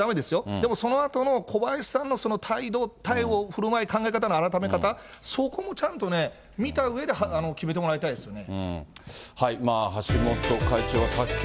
でもそのあとの小林さんの態度、対応、ふるまい、考え方の改め方、そこもちゃんとね、見たうえで決めてもらいたいですよね。